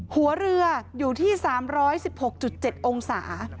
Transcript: หัวเรืออยู่ที่๓๑๖๗องศา